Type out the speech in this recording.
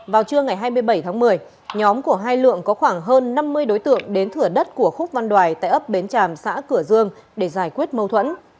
vào trưa ngày hai mươi bảy tháng một mươi nhóm của hai lượng có khoảng hơn năm mươi đối tượng đến thửa đất của khúc văn đoài tại ấp bến tràm xã cửa dương để giải quyết mâu thuẫn